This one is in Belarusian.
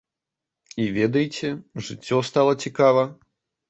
І, ведаеце, жыццё стала цікава.